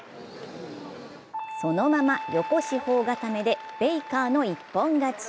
そのまま横四方固めでベイカーの一本勝ち。